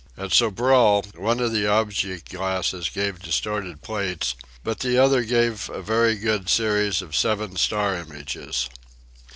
At Sobral one of the object glasses gave distorted plates, but the other gave a very good series of seven star images.